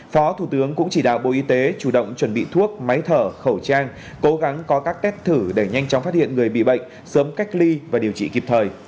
phó thủ tướng cũng chỉ đạo bộ y tế chủ động chuẩn bị thuốc máy thở khẩu trang cố gắng có các test thử để nhanh chóng phát hiện người bị bệnh sớm cách ly và điều trị kịp thời